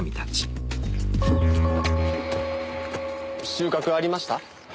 収穫ありました？